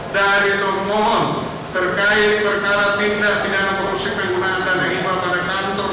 dari penerbangan terkait perkara tindak pinjaman perusahaan penggunaan dana hibah pada kantor